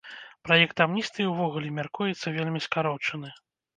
Праект амністыі ўвогуле мяркуецца вельмі скарочаны.